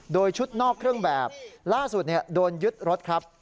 โดยชุดนอกเครื่องแบบล่าสุดโดนยึดรถครับ